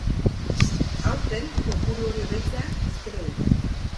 Aurten, kopuru hori hobetzea espero dute.